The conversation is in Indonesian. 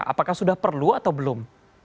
apakah sudah perlu atau belum